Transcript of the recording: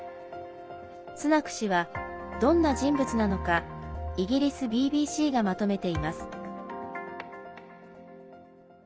スナク氏はどんな人物なのかイギリスＢＢＣがまとめています。